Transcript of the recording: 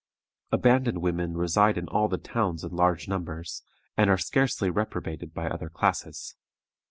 Abandoned women reside in all the towns in large numbers, and are scarcely reprobated by other classes.